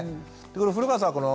古川さん